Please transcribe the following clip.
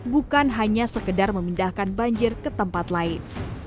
bukan hanya sekedar memindahkan banjir ke tempat lain